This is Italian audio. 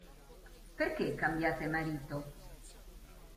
Perché cambiate marito?